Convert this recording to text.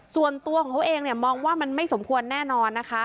ส่วนตัวของเขาเองมองว่ามันไม่สมควรแน่นอนนะคะ